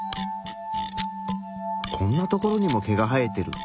こんなところにも毛が生えてる！